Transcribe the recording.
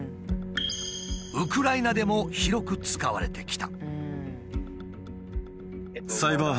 ウクライナでも広く使われてきた。